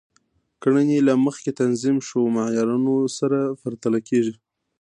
کړنې له مخکې تنظیم شوو معیارونو سره پرتله کیږي.